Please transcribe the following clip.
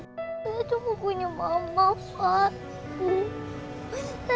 dia cuma punya mama pak